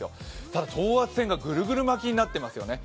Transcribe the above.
ただ等圧線がぐるぐる巻きになっていますよね。